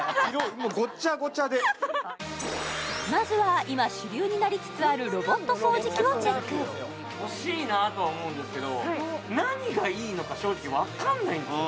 もうゴッチャゴチャでまずは今主流になりつつあるロボット掃除機をチェック欲しいなとは思うんですけど何がいいのか正直わかんないんですよ